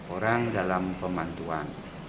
orang dalam pemantauan